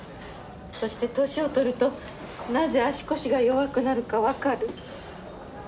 そして年を取るとなぜ足腰が弱くなるか分かる？